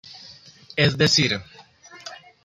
Es decir,